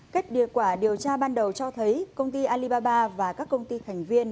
cách đề quả điều tra ban đầu cho thấy công ty alibaba và các công ty thành viên